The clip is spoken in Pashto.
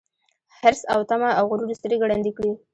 حرص او تمه او غرور سترګي ړندې کړي